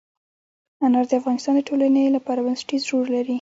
انار د افغانستان د ټولنې لپاره بنسټيز رول لري.